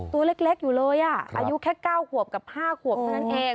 ตัวเล็กอยู่เลยอ่ะครับอายุแค่เก้าขวบกับห้าขวบเท่านั้นเอง